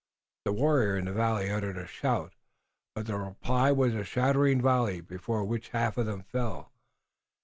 The warriors in the valley uttered a shout, but the reply was a shattering volley, before which half of them fell.